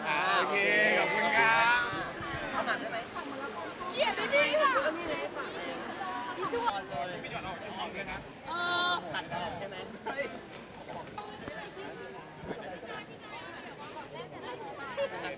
อุ้ยความสงครร้าดนิดนึงเดี๋ยวบ้าง